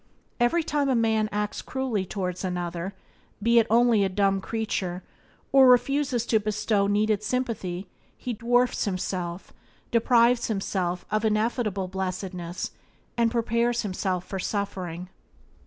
Every time a man acts cruelly towards another (be it only a dumb creature), or refuses to bestow needed sympathy, he dwarfs himself, deprives himself of ineffable blessedness, and prepares himself for suffering.